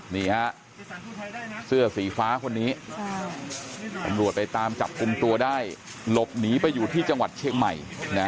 นี่ฮะเสื้อสีฟ้าคนนี้ตำรวจไปตามจับกลุ่มตัวได้หลบหนีไปอยู่ที่จังหวัดเชียงใหม่